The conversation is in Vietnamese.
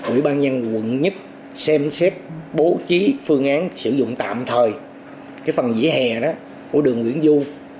ủy ban nhân quận một xem xét bố trí phương án sử dụng tạm thời phần vỉa hè của đường nguyễn du